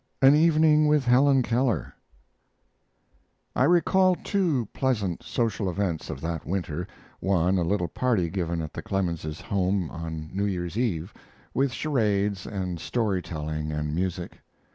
AN EVENING WITH HELEN KELLER I recall two pleasant social events of that winter: one a little party given at the Clemenses' home on New Year's Eve, with charades and story telling and music.